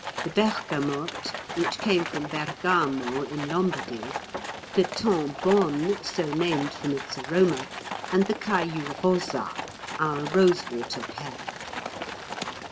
the bergamote, which came from Bergamo, in Lombardy; the tant bonne, so named from its aroma; and the caillou rosat, our rosewater pear.